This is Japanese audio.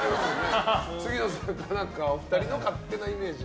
杉野さんからお二人の勝手なイメージ。